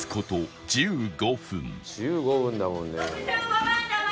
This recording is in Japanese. １５分だもんね。